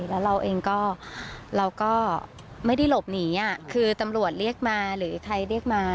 แล้วเราเองก็เราก็ไม่ได้หลบหนีคือตำรวจเรียกมาหรือใครเรียกมา